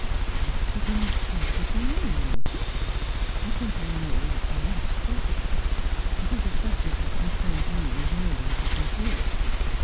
' Why should you not talk before me, Morton 1 I think I know what you want to talk about. It is a subject that concerns me as nearly as it does you.